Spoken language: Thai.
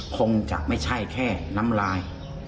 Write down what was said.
คงจะไม่ใช่แค่น้ำลาย